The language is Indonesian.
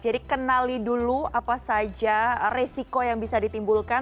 jadi kenali dulu apa saja resiko yang bisa ditimbulkan